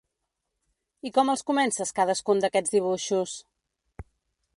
I com els comences, cadascun d’aquests dibuixos?